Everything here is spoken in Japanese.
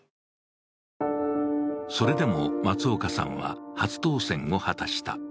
それでも松岡さんは初当選を果たした。